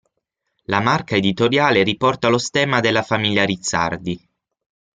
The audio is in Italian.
La marca editoriale riporta lo stemma della famiglia Rizzardi.